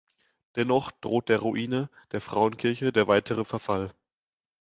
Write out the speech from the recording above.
Dennoch droht der Ruine der Frauenkirche der weitere Verfall.